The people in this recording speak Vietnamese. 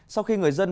sau khi người dân